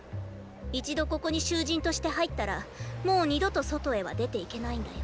一度ここに囚人として入ったらもう二度と外へは出ていけないんだよ。